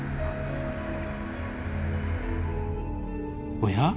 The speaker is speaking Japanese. おや？